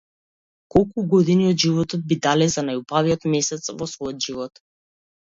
Колку години од животот би дале за најубавиот месец во својот живот?